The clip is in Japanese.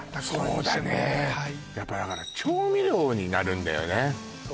そうだねーやっぱだから調味料になるんだよね